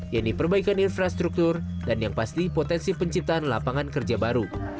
yaitu perbaikan infrastruktur dan yang pasti potensi penciptaan lapangan kerja baru